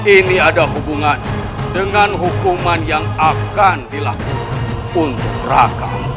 ini ada hubungan dengan hukuman yang akan dilakukan untuk raka